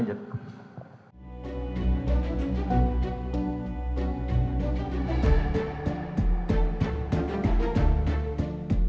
oke terima kasih oke lanjut